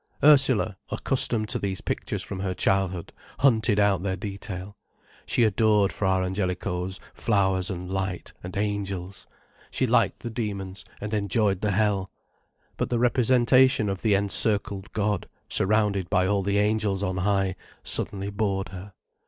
Ursula, accustomed to these pictures from her childhood, hunted out their detail. She adored Fra Angelico's flowers and light and angels, she liked the demons and enjoyed the hell. But the representation of the encircled God, surrounded by all the angels on high, suddenly bored her.